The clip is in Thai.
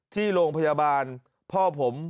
ที่โรงพยาบาลพ่อผม